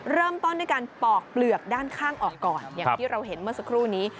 เริ่มต้นด้วยการปอกเปลือกด้านข้างออกก่อนอย่างที่เราเห็นเมื่อสักครู่นี้